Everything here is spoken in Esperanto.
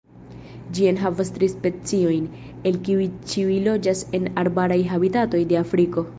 Ĝi enhavas tri speciojn, el kiuj ĉiuj loĝas en arbaraj habitatoj de Afriko.